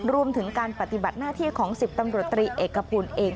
รวมถึงการปฏิบัติหน้าที่ของ๑๐ตำรวจตรีเอกพลเอง